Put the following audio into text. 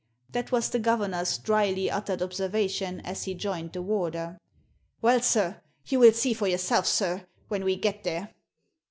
That was the governor's drily uttered observation as he joined the warder. " Well, sir, you will see for yourself, sir, when we get there!"